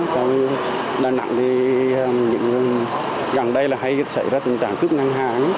trong đà nẵng thì gần đây hay xảy ra tình trạng cướp ngân hàng